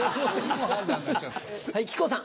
はい木久扇さん。